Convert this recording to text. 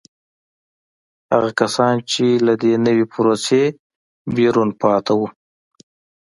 هغه کسان چې له دې نوې پروسې بیرون پاتې وو